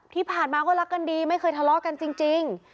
ที่ผ่านมาก็รักกันดีไม่เคยทะเลาะกันจริง